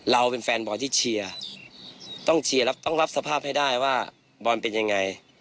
เราเป็นแฟนบอลที่เชียร์ต้องเชียร์ต้องรับสภาพให้ได้ว่าบอลเป็นยังไง